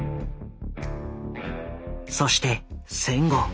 そして戦後。